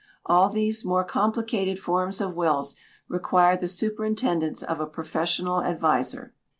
All these more complicated forms of wills require the superintendence of a professional adviser.